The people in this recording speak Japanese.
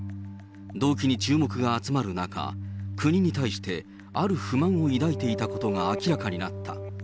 動機に注目が集まる中、国に対してある不満を抱いていたことが明らかになった。